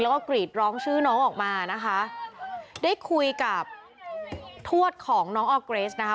แล้วก็กรีดร้องชื่อน้องออกมานะคะได้คุยกับทวดของน้องออร์เกรสนะคะ